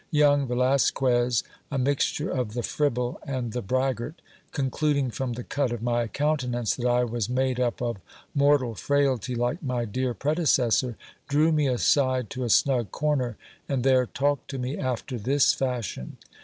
Young Ve lasquez, a mixture of the fribble and the braggart, concluding from the cut of my countenance that I was made up of mortal frailty like my dear predecessor, drew me aside to a snug corner, and there talked to me after this fashion.